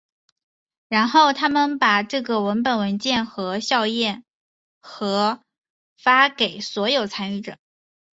然后他们把这个文本文件和校验和发给所有参与者。